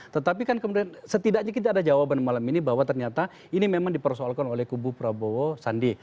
tetapi kan kemudian setidaknya kita ada jawaban malam ini bahwa ternyata ini memang dipersoalkan oleh kubu prabowo sandi